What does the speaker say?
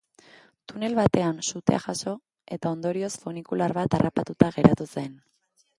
Tunel batean sutea jazo, eta ondorioz funikular bat harrapatuta geratu zen.